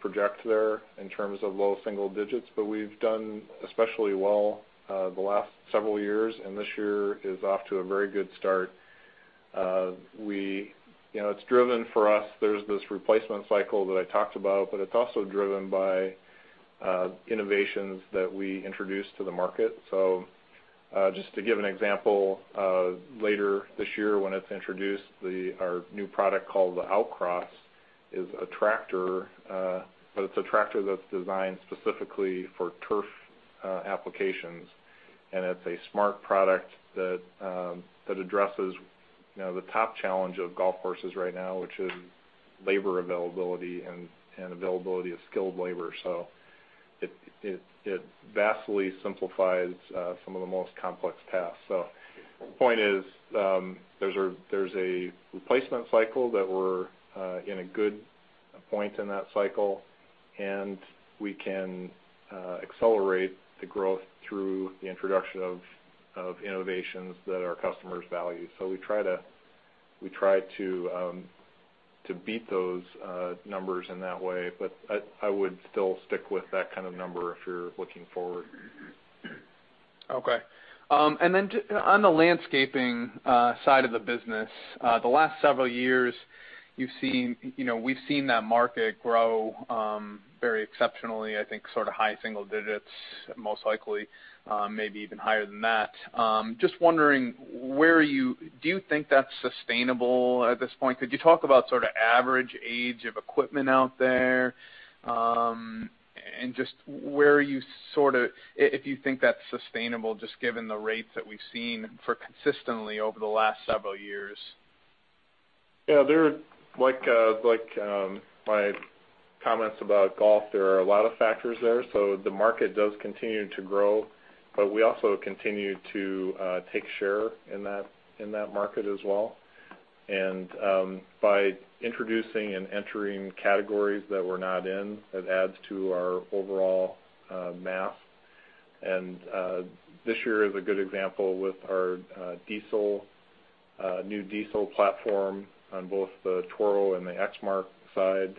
project there in terms of low single-digits. We've done especially well the last several years, and this year is off to a very good start. It's driven for us, there's this replacement cycle that I talked about, it's also driven by innovations that we introduced to the market. Just to give an example, later this year when it's introduced, our new product called the Outcross, is a tractor, but it's a tractor that's designed specifically for turf applications. It's a smart product that addresses the top challenge of golf courses right now, which is labor availability and availability of skilled labor. It vastly simplifies some of the most complex tasks. The point is, there's a replacement cycle that we're in a good point in that cycle, we can accelerate the growth through the introduction of innovations that our customers value. We try to beat those numbers in that way. I would still stick with that kind of number if you're looking forward. On the landscaping side of the business, the last several years, we've seen that market grow very exceptionally, I think sort of high single digits, most likely, maybe even higher than that. Just wondering, do you think that's sustainable at this point? Could you talk about sort of average age of equipment out there? And if you think that's sustainable, just given the rates that we've seen for consistently over the last several years. Yeah. Like my comments about golf, there are a lot of factors there. The market does continue to grow, but we also continue to take share in that market as well. By introducing and entering categories that we're not in, it adds to our overall math. This year is a good example with our new diesel platform on both the Toro and the Exmark side.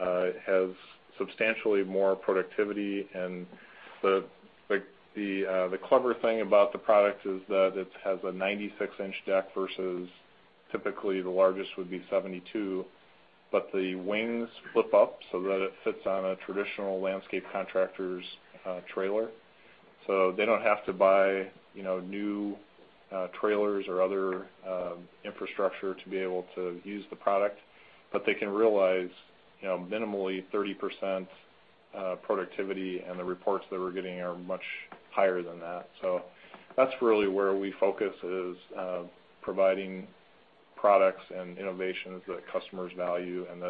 It has substantially more productivity, and the clever thing about the product is that it has a 96-inch deck versus typically the largest would be 72, but the wings flip up so that it fits on a traditional landscape contractor's trailer. They don't have to buy new trailers or other infrastructure to be able to use the product. They can realize minimally 30% productivity, and the reports that we're getting are much higher than that. That's really where we focus is providing products and innovations that customers value, and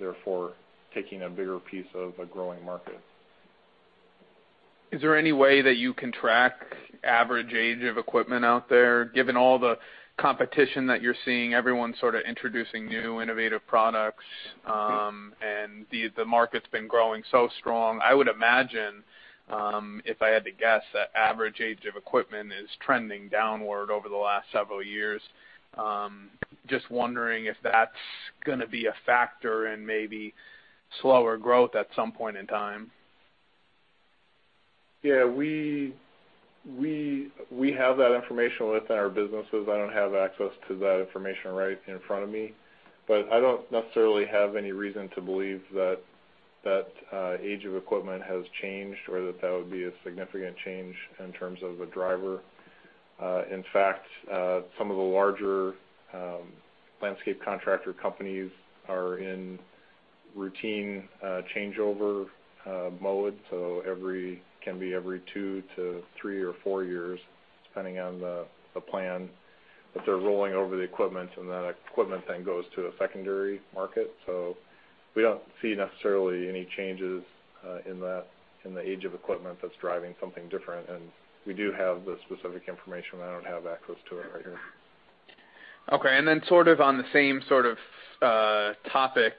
therefore taking a bigger piece of a growing market. Is there any way that you can track average age of equipment out there, given all the competition that you're seeing, everyone sort of introducing new innovative products, and the market's been growing so strong. I would imagine, if I had to guess, that average age of equipment is trending downward over the last several years. Just wondering if that's going to be a factor in maybe slower growth at some point in time. Yeah, we have that information within our businesses. I don't have access to that information right in front of me. I don't necessarily have any reason to believe that age of equipment has changed or that that would be a significant change in terms of a driver. In fact, some of the larger landscape contractor companies are in routine changeover mode, so can be every two to three or four years, depending on the plan. They're rolling over the equipment, and that equipment then goes to a secondary market. We don't see necessarily any changes in the age of equipment that's driving something different. We do have the specific information, but I don't have access to it right here. Okay, then sort of on the same sort of topic.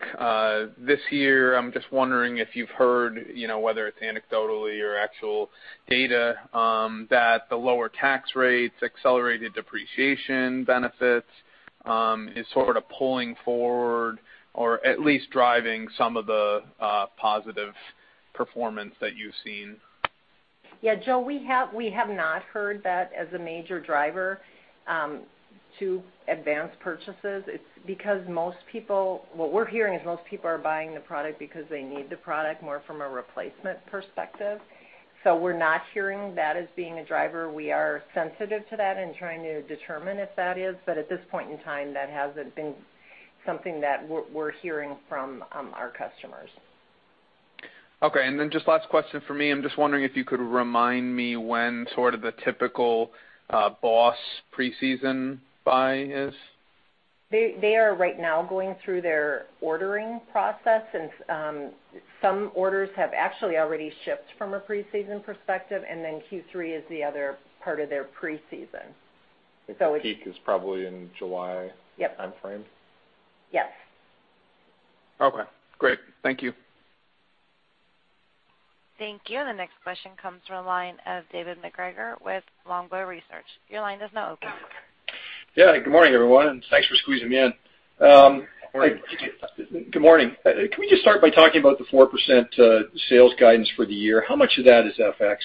This year, I'm just wondering if you've heard, whether it's anecdotally or actual data, that the lower tax rates, accelerated depreciation benefits, is sort of pulling forward or at least driving some of the positive performance that you've seen. Yeah, Joe, we have not heard that as a major driver to advance purchases. What we're hearing is most people are buying the product because they need the product more from a replacement perspective. We're not hearing that as being a driver. We are sensitive to that and trying to determine if that is, but at this point in time, that hasn't been something that we're hearing from our customers. Okay, then just last question from me. I'm just wondering if you could remind me when sort of the typical BOSS preseason buy is. They are right now going through their ordering process, and some orders have actually already shipped from a preseason perspective, and then Q3 is the other part of their preseason. The peak is probably in July. Yep timeframe? Yes. Okay, great. Thank you. Thank you. The next question comes from the line of David MacGregor with Longbow Research. Your line is now open. Yeah, good morning, everyone. Thanks for squeezing me in. Good morning. Can we just start by talking about the 4% sales guidance for the year? How much of that is FX?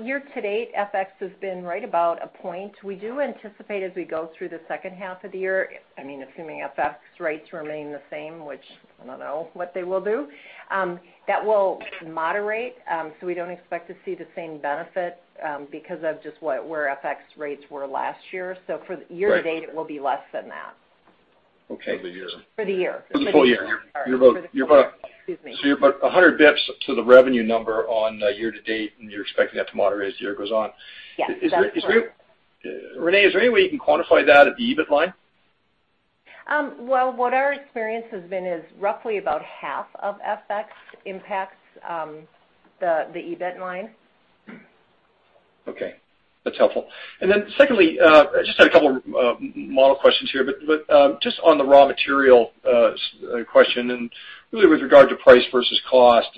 Year-to-date, FX has been right about a point. We do anticipate as we go through the second half of the year, assuming FX rates remain the same, which I don't know what they will do, that will moderate. We don't expect to see the same benefit because of just where FX rates were last year. For year-to-date, it will be less than that. Okay. For the year. For the year. For the full year. Sorry, for the full year. Excuse me. You're about 100 basis points to the revenue number on year-to-date, and you're expecting that to moderate as the year goes on. Yes, that's correct. Renee, is there any way you can quantify that at the EBIT line? Well, what our experience has been is roughly about half of FX impacts the EBIT line. Okay, that's helpful. Then secondly, I just had a couple model questions here, but just on the raw material question, and really with regard to price versus cost,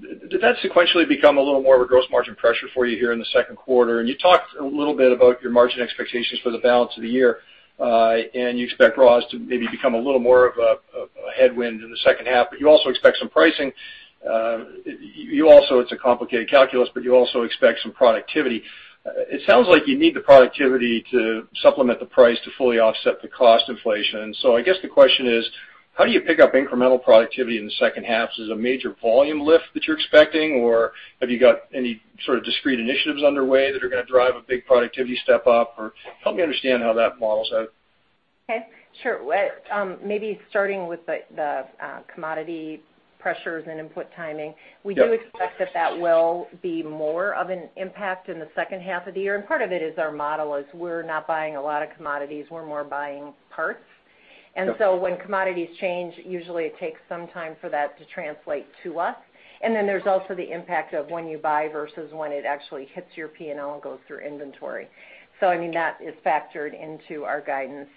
did that sequentially become a little more of a gross margin pressure for you here in the second quarter? You talked a little bit about your margin expectations for the balance of the year. You expect raws to maybe become a little more of a headwind in the second half, but you also expect some pricing. It's a complicated calculus, but you also expect some productivity. It sounds like you need the productivity to supplement the price to fully offset the cost inflation. I guess the question is, how do you pick up incremental productivity in the second half? Is this a major volume lift that you're expecting, or have you got any sort of discrete initiatives underway that are going to drive a big productivity step up? Help me understand how that models out. Okay, sure. Maybe starting with the commodity pressures and input timing. Yeah. We do expect that that will be more of an impact in the second half of the year. Part of it is our model is we're not buying a lot of commodities, we're more buying parts. Yeah. When commodities change, usually it takes some time for that to translate to us. There's also the impact of when you buy versus when it actually hits your P&L and goes through inventory. That is factored into our guidance.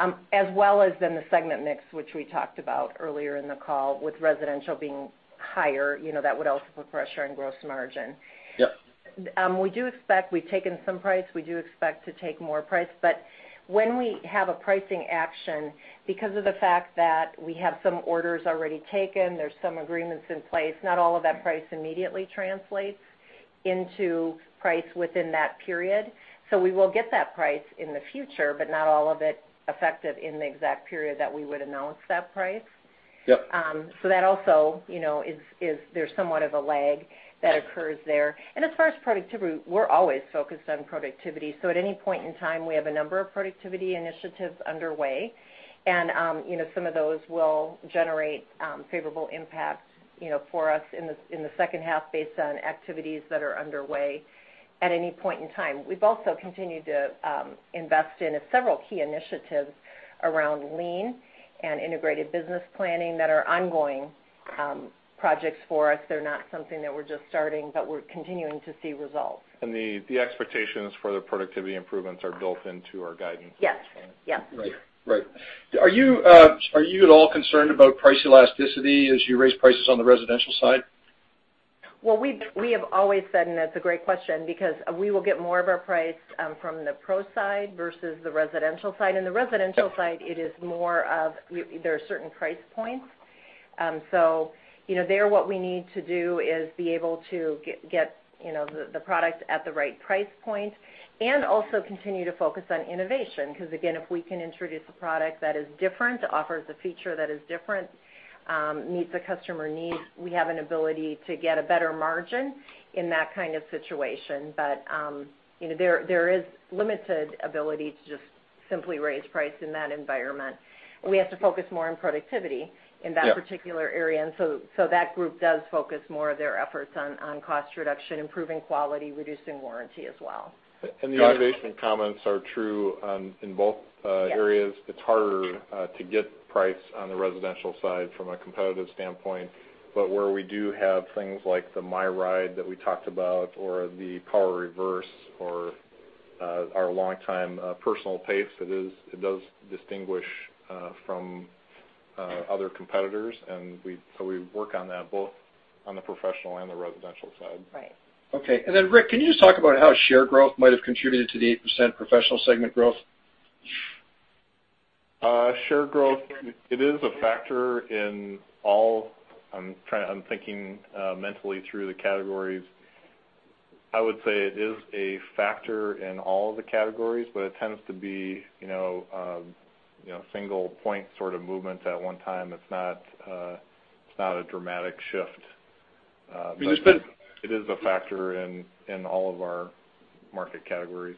The segment mix, which we talked about earlier in the call, with residential being higher, that would also put pressure on gross margin. Yep. We've taken some price. We do expect to take more price. When we have a pricing action, because of the fact that we have some orders already taken, there's some agreements in place, not all of that price immediately translates into price within that period. We will get that price in the future, but not all of it effective in the exact period that we would announce that price. Yep. That also, there's somewhat of a lag that occurs there. As far as productivity, we're always focused on productivity. At any point in time, we have a number of productivity initiatives underway, and some of those will generate favorable impacts for us in the second half based on activities that are underway at any point in time. We've also continued to invest in several key initiatives around lean and integrated business planning that are ongoing projects for us. They're not something that we're just starting, but we're continuing to see results. The expectations for the productivity improvements are built into our guidance. Yes. Okay. Yes. Right. Are you at all concerned about price elasticity as you raise prices on the residential side? Well, we have always said, and that's a great question, because we will get more of our price from the pro side versus the residential side. In the residential side, it is more of there are certain price points. There what we need to do is be able to get the product at the right price point and also continue to focus on innovation. Again, if we can introduce a product that is different, offers a feature that is different, meets a customer need, we have an ability to get a better margin in that kind of situation. There is limited ability to just simply raise price in that environment. We have to focus more on productivity in that particular area. That group does focus more of their efforts on cost reduction, improving quality, reducing warranty as well. The automation comments are true in both areas. It's harder to get price on the residential side from a competitive standpoint. Where we do have things like the MyRIDE that we talked about, or the PoweReverse, or our longtime Personal Pace, it does distinguish from other competitors, so we work on that both on the professional and the residential side. Right. Okay. Rick, can you just talk about how share growth might have contributed to the 8% professional segment growth? Share growth, it is a factor in. I'm thinking mentally through the categories. I would say it is a factor in all of the categories, but it tends to be single point sort of movements at one time. It's not a dramatic shift. It is a factor in all of our market categories.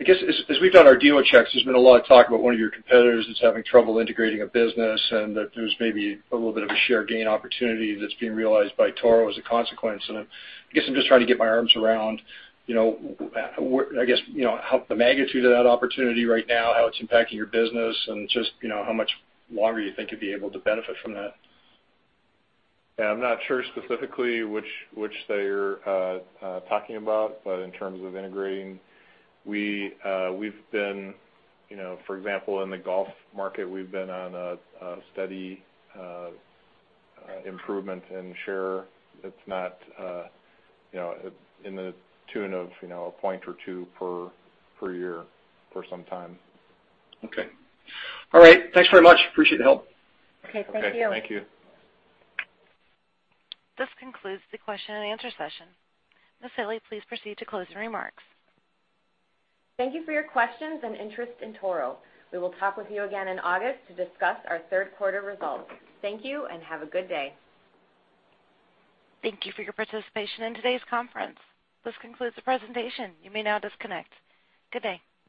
I guess, as we've done our dealer checks, there's been a lot of talk about one of your competitors that's having trouble integrating a business, and that there's maybe a little bit of a share gain opportunity that's being realized by Toro as a consequence. I guess I'm just trying to get my arms around the magnitude of that opportunity right now, how it's impacting your business, and just how much longer you think you'd be able to benefit from that. I'm not sure specifically which they are talking about, but in terms of integrating, for example, in the golf market, we've been on a steady improvement in share. It's not in the tune of a point or two per year for some time. Okay. All right. Thanks very much. Appreciate the help. Okay. Thank you. Okay. Thank you. This concludes the question and answer session. Ms. Hille, please proceed to closing remarks. Thank you for your questions and interest in Toro. We will talk with you again in August to discuss our third quarter results. Thank you and have a good day. Thank you for your participation in today's conference. This concludes the presentation. You may now disconnect. Good day.